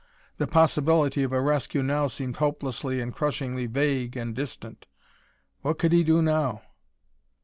The possibility of a rescue now seemed hopelessly and crushingly vague and distant. What could he do now?